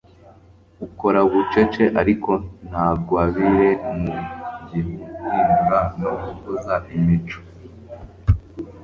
ukora bucece ariko ntagwabire mu guhindura no gukuza imico